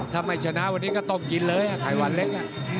ถ้าไม่ชนะวันนี้ก็ต้องกินเลยไขวันเล็ก